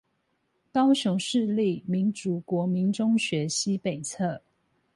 高雄市立民族國民中學西北側